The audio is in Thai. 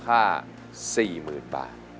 เพลงนี้มูลค่า๔๐๐๐๐บาท